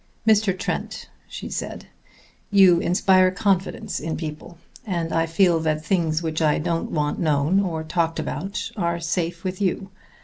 "Mr. Trent," she said, "you inspire confidence in people, and I feel that things which I don't want known or talked about are safe with you.